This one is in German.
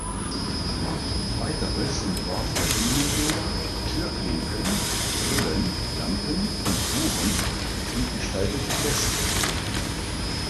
Weiters entwarf er Bühnenbilder, Türklinken, Brillen, Lampen und Uhren und gestaltete Feste.